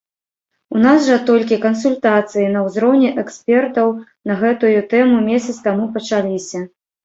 У нас жа толькі кансультацыі на ўзроўні экспертаў на гэтую тэму месяц таму пачаліся.